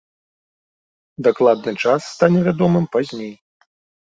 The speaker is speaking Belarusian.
Дакладны час стане вядомым пазней.